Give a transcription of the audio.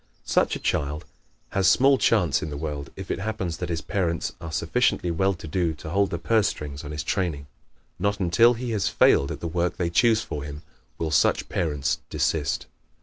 Such a child has small chance in the world if it happens that his parents are sufficiently well to do to hold the purse strings on his training. Not until he has failed at the work they choose for him will such parents desist.